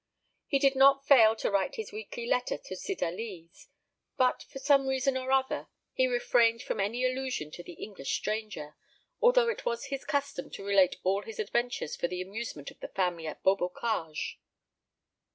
He did not fail to write his weekly letter to Cydalise; but, for some reason or other, he refrained from any allusion to the English stranger, although it was his custom to relate all his adventures for the amusement of the family at Beaubocage.